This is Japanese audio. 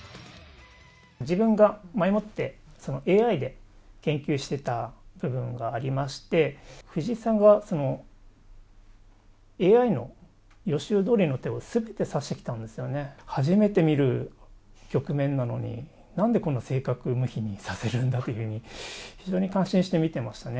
自分が前もってＡＩで研究してた部分がありまして、藤井さんがＡＩの予習どおりの手をすべて指してきたんですよね、初めて見る局面なのに、なんでこんな正確無比に指せるんだという、非常に感心して見てましたね。